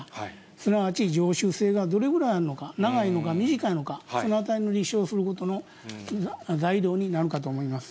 すなわち常習性がどれぐらいあるのか、長いのか短いのか、そのあたりを立証することの材料になるかと思います。